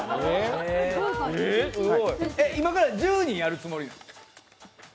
今から１２やるつもり？